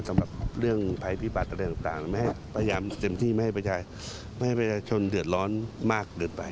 สำหรับเรื่องภัยพิบัติอะไรต่างไม่ให้พยายามเต็มที่ไม่ให้ไม่ให้ประชาชนเดือดร้อนมากเกินไป